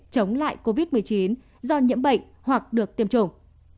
chống lại covid một mươi chín do nhiễm bệnh hoặc được tiêm chủng